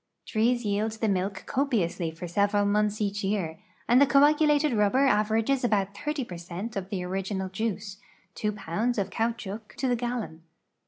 Trees yield the milk copiously for several months each year, and the coagulated rubber averages about .')0 per cent of tlu; original juici", two pounds of caoutchouc to the gallon.